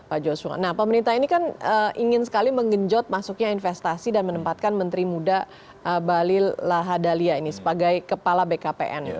pak joshua nah pemerintah ini kan ingin sekali menggenjot masuknya investasi dan menempatkan menteri muda balil lahadalia ini sebagai kepala bkpn